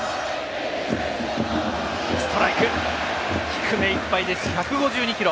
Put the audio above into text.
低い目いっぱいです、１５２キロ。